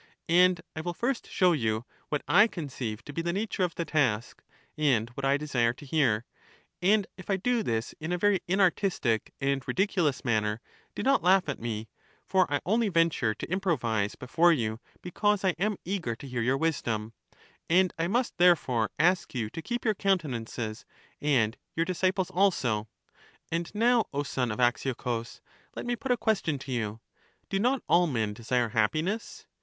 And I will first show you what I conceive to be the nature of the task, and what I desire to hear ; and if I do this in a very inartistic and ridiculous manner, do not laugh at me, for I only venture to improvise before you because I am eager to hear your wisdom: and I must therefore ask you to keep your coun tenances, and your disciples also. And now, O son of Axiochus, let me put a question to you : Do not all men desire happiness?